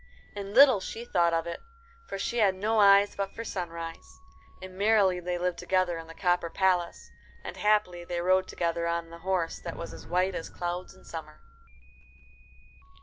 And little she thought of it, for she had no eyes but for Sunrise. And merrily they lived together in the copper palace. And happily they rode together on the horse that was as white as clouds in summer.